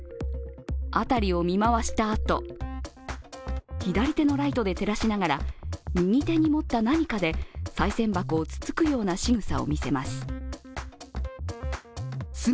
辺りを見回したあと、左手のライトで照らしながら右手に持った何かでさい銭箱を突つくようなしぐさを見せます。